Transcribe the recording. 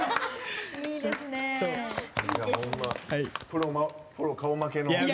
プロ顔負けの。